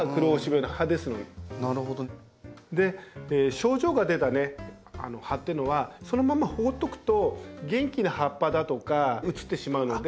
症状が出た葉っていうのはそのまま放っておくと元気な葉っぱだとか移ってしまうので。